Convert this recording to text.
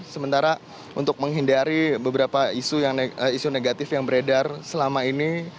sementara untuk menghindari beberapa isu negatif yang beredar selama ini